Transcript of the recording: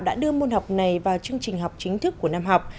đã đưa môn học này vào chương trình học chính thức của năm học